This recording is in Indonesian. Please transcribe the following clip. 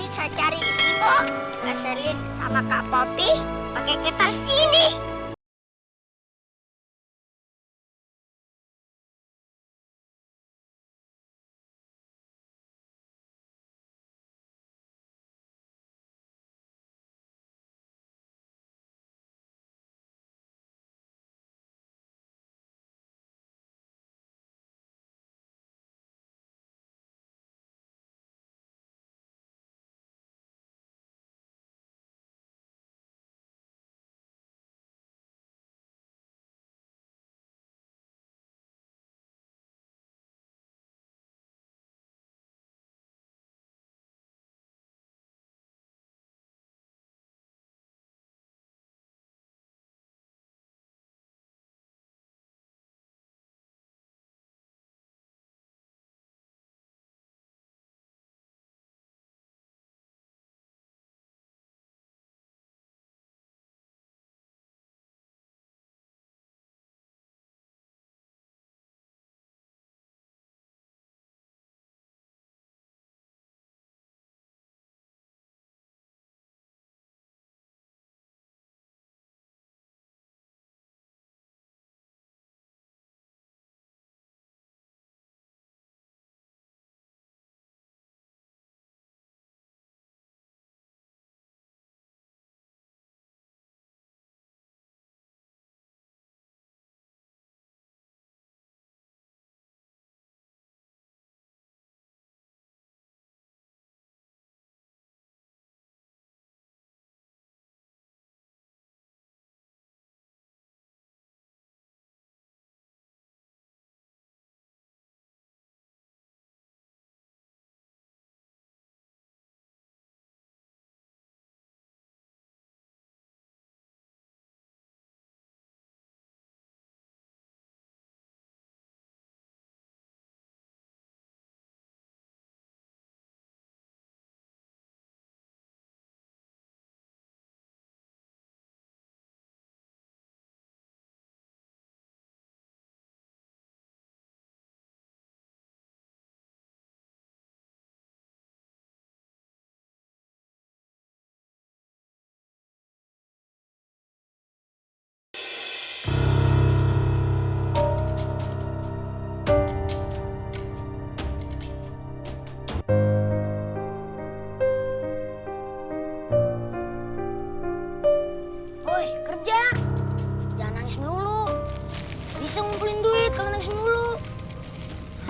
sampai jumpa di video selanjutnya